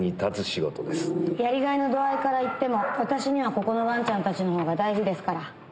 やりがいの度合いからいっても私にはここのわんちゃんたちのほうが大事ですから。